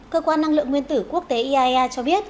cơ quan năng lượng nguyên tử quốc tế iaea cho biết